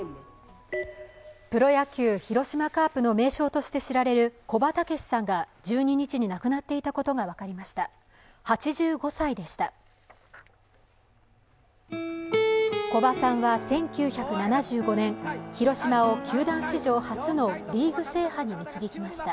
プロ野球、広島カープの名将として知られる古葉竹識さんが１２日に亡くなっていたことが分かりました。